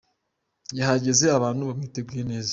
Yahageze abantu bamwiteguye neza.